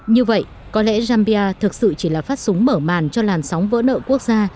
như vậy có lẽ zambia thực sự chỉ là phát súng mở màn cho làn sóng vỡ nợ quốc gia